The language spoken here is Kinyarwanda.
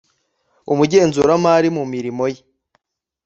umugenzuramari mu mirimo ye